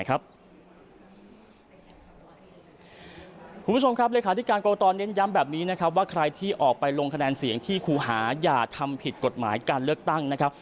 คุณผู้ชมครับเลขาธิการกรกตเน้นย้ำแบบนี้นะครับว่าใครที่ออกไปลงคะแนนเสียงที่ครูหาอย่าทำผิดกฎหมายการเลือกตั้งนะครับ